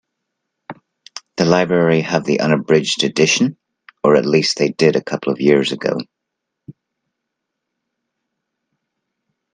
The library have the unabridged edition, or at least they did a couple of years ago.